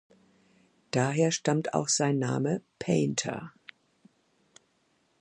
Daher stammt auch sein Name „Painter“.